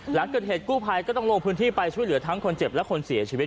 หลังเกิดเหตุกู้ภัยก็ต้องลงพื้นที่ไปช่วยเหลือทั้งคนเจ็บและคนเสียชีวิต